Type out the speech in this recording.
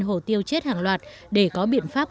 hổ tiêu chết hàng loạt để có biện pháp